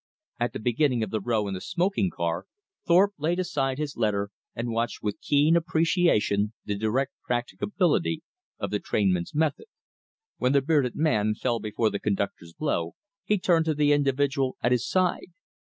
At the beginning of the row in the smoking car, Thorpe laid aside his letter and watched with keen appreciation the direct practicality of the trainmen's method. When the bearded man fell before the conductor's blow, he turned to the individual at his side.